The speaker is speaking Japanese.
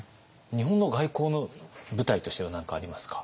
日本の外交の舞台としては何かありますか？